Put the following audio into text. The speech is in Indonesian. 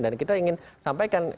dan kita ingin sampaikan